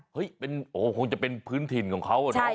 เฮ้ยโอ้โหคงจะเป็นพื้นถิ่นของเขาเหรอใช่